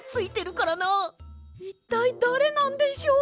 いったいだれなんでしょう？